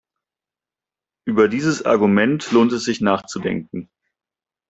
Über dieses Argument lohnt es sich nachzudenken.